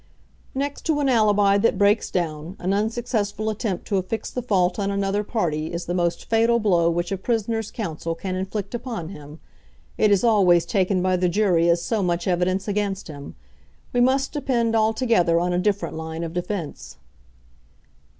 "Next to an alibi that breaks down, an unsuccessful attempt to affix the fault on another party is the most fatal blow which a prisoner's counsel can inflict upon him. It is always taken by the jury as so much evidence against him. We must depend altogether on a different line of defence."